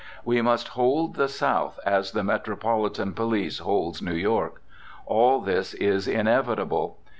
We must hold the South as the metropolitan police holds New York. All this is inevitable.